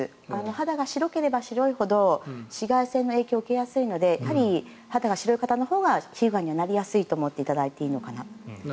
肌が白ければ白いほど紫外線の影響を受けやすいので肌の白い方のほうが皮膚がんにはなりやすいと思っていただいていいのかな。